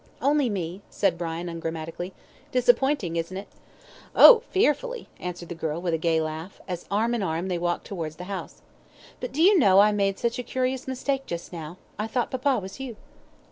"Only me," said Brian, ungrammatically; "disappointing, isn't it?" "Oh, fearfully," answered the girl, with a gay laugh, as arm in arm they walked towards the house. "But do you know I made such a curious mistake just now; I thought papa was you."